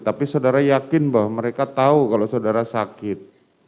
tapi saudara yakin bahwa mereka tahu kalau saudara sakit